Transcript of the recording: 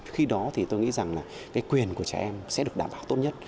khi đó thì tôi nghĩ rằng là cái quyền của trẻ em sẽ được đảm bảo tốt nhất